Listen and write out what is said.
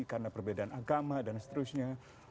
karena perbedaan agama dan seterusnya